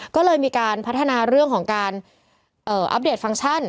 ก็เลยมีการพัฒนาเรื่องของการอัปเดตฟังก์ชัน